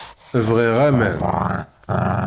Bɣiɣ aman.